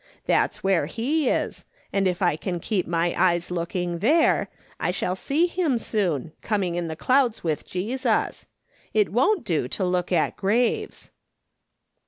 That's where he is, and if I can keep my eyes looking there, I shall ^'duliverance:' 315 see him soon, cominji in the cloiuls with Jesus. It don't do to look at graves."